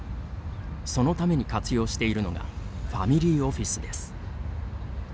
そのために活用しているのがファミリーオフィスです。